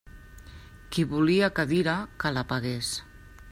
Qui volia cadira, que la pagués.